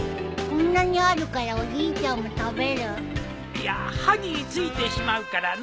いや歯に付いてしまうからの。